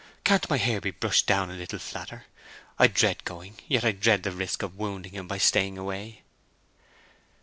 Can't my hair be brushed down a little flatter? I dread going—yet I dread the risk of wounding him by staying away."